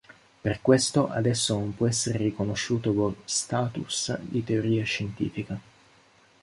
Per questo ad esso non può essere riconosciuto lo "status" di teoria scientifica.